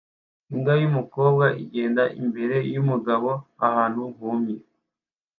Imbwa yumukobwa igenda imbere yumugabo ahantu humye